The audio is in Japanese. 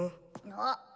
あっ。